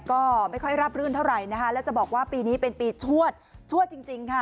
ก็ไม่ค่อยราบรื่นเท่าไหร่นะคะแล้วจะบอกว่าปีนี้เป็นปีชวดชวดจริงค่ะ